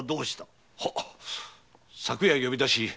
昨夜呼び出し